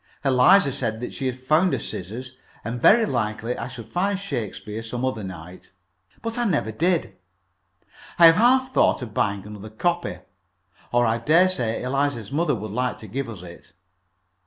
Eliza said that she had found her scissors, and very likely I should find the Shakespeare some other night. But I never did. I have half thought of buying another copy, or I dare say Eliza's mother would like to give us it.